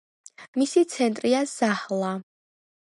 მისი ცენტრია ზაჰლა.